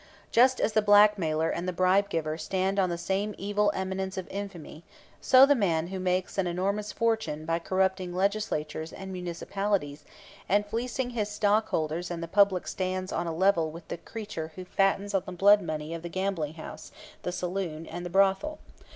Just as the blackmailer and the bribe giver stand on the same evil eminence of infamy, so the man who makes an enormous fortune by corrupting Legislatures and municipalities and fleecing his stockholders and the public stands on a level with the creature who fattens on the blood money of the gambling house, the saloon and the brothel.